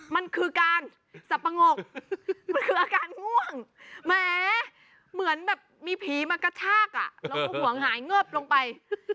มันคือการสับปะงกมันคืออาการง่วงแหมเหมือนแบบมีผีมากระชากแล้วก็ห่วงหายเงิบลงไป